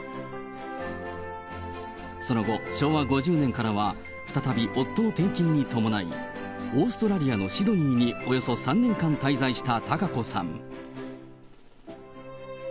その後、昭和５０年からは、再び夫の転勤に伴い、オーストラリアのシドニーにおよそ３年間滞在した貴子さん。